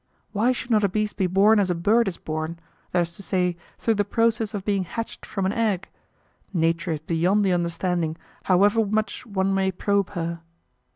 Why should not a beast be born as a bird is born that is to say, through the process of being hatched from an egg? Nature is beyond the understanding, however much one may probe her."